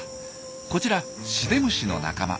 こちらシデムシの仲間。